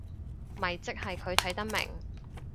咪即係佢睇得明